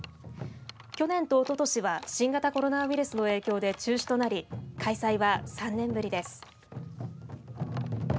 去年とおととしは新型コロナウイルスの影響で中止となり開催は３年ぶりです。